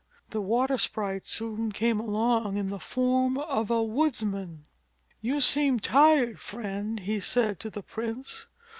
The water sprite soon came along in the form of a woodsman. "You seem tired, Friend," he said to the prince.